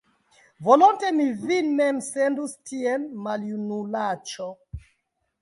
Volonte mi vin mem sendus tien, maljunulaĉo!